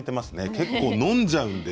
結構、飲んじゃうんです。